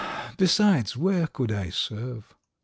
. Besides, where could I serve?